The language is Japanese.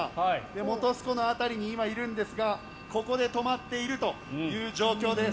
本栖湖の辺りに今いるんですがここで止まっている状況です。